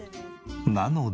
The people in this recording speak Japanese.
なので。